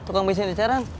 tukang biasanya di sekarang